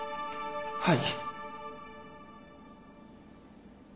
はい。